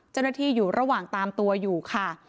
เจ้าหน้าที่อยู่ระหว่างตามตัวอยู่ค่ะ